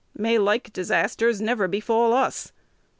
May like disasters never befall us!